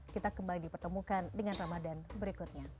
kita kembali dipertemukan dengan ramadan berikutnya